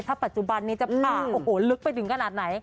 ถ้าปัจจุบันนี้จะผ่าโอ้โหลึกไปถึงขนาดไหน